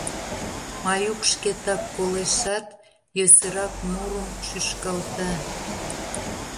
Маюк шкетак колешат, йӧсырак мурым шӱшкалта.